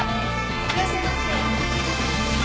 いらっしゃいませ。